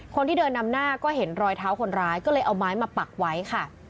คนที่เดินนำหน้าก็เห็นรอยเท้าคนร้ายก็เลยเอาไม้มาปักไว้ค่ะ